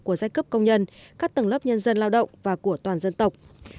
của giai cấp công nhân các tầng lớp nhân dân lao động và của toàn dân tộc